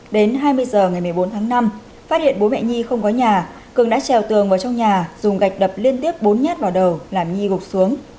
đến hai mươi h ngày một mươi bốn tháng năm phát hiện bố mẹ nhi không có nhà cường đã trèo tường vào trong nhà dùng gạch đập liên tiếp bốn nhát vào đầu làm nhi gục xuống